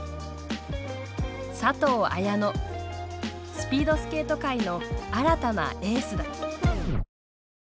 スピードスケート界の新たなエースだ。